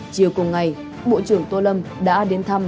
chiều cùng ngày bộ trưởng tô lâm đã đến thăm